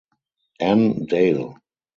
Ann Dale.